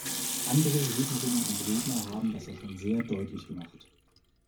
Andere Rednerinnen und Redner haben das ja schon sehr deutlich gemacht.